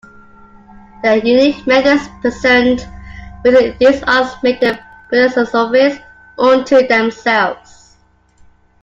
The unique methods present within these arts make them philosophies unto themselves.